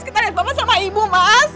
kita liat bapak sama ibu mas